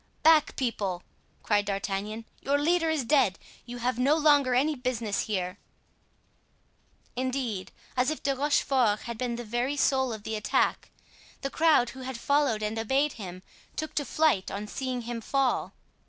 "Back, people!" cried D'Artagnan, "your leader is dead; you have no longer any business here." Indeed, as if De Rochefort had been the very soul of the attack, the crowd who had followed and obeyed him took to flight on seeing him fall.